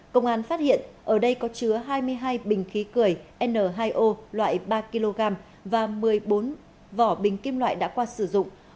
công an phát hiện ở đây có chứa hai mươi hai bình khí cười n hai o loại ba kg và một mươi bốn vỏ bình kim loại đã qua sử dụng